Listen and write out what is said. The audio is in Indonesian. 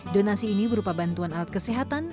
donasi ini berupa bantuan alat kesehatan